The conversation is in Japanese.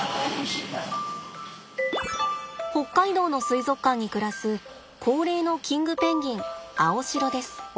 北海道の水族館に暮らす高齢のキングペンギンアオシロです。